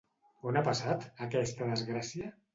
On ha passat, aquesta desgràcia?